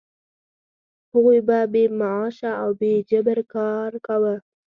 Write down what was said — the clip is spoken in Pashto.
هغوی به بې معاشه او په جبر کار کاوه.